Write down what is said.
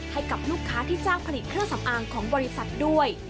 ให้กับลูกค้าที่จ้างผลิตเครื่องสำอางของบริษัทด้วย